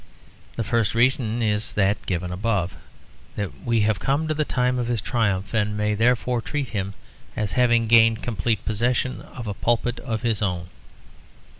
The first reason is that given above, that we have come to the time of his triumph and may therefore treat him as having gained complete possession of a pulpit of his own.